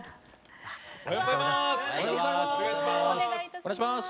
おはようございます！